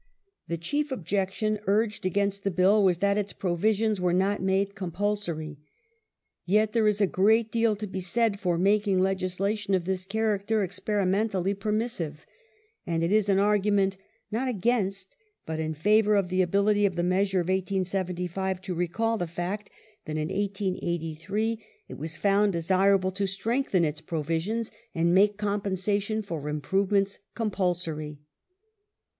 The chief objection urged against the Bill was that its provisions were not made compulsory. Yet there is a great deal to be said for making legislation of this character experimentally permissive, and it is an argument not against but in favour of the ability of the measure of 1875, to recall the fact that in 1883 it was found ^37 and 38 Vict. c. 33. ^^5 and 46 Vict. c. 38. 440 THE NEW TORYISM [1874 desirable to strengthen its provisions and make compensation for improvements compulsory.